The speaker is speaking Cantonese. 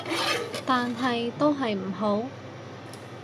但係都係唔好